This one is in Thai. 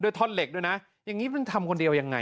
ท่อนเหล็กด้วยนะอย่างนี้มันทำคนเดียวยังไง